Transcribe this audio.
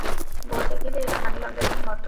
বলতে গেলে, এটা মানি লন্ডারিং মত।